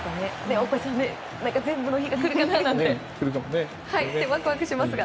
全部の日が来るかななんてワクワクしますが。